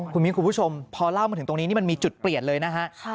คุณผู้ชมพอเล่ามาถึงตรงนี้มันมีจุดเปลี่ยนเลยนะฮะ